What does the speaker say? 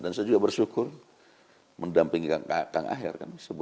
dan saya juga bersyukur mendampingi kang aher